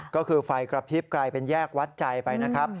ก็คือไฟกระพริบกลายเป็นแยกวัดใจไปนะครับ